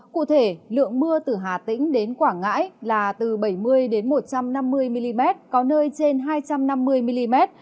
cụ thể lượng mưa từ hà tĩnh đến quảng ngãi là từ bảy mươi một trăm năm mươi mm có nơi trên hai trăm năm mươi mm